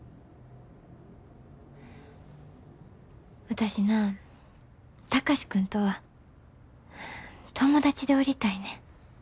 私な貴司君とは友達でおりたいねん。